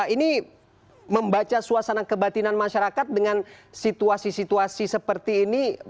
ini membaca suasana kebatinan masyarakat dengan situasi situasi seperti ini